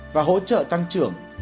và hỗ trợ tăng trưởng